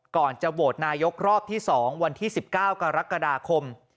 ก่อนจะโหวตนายกรอบที่๒วันที่๑๙กรกฎาคม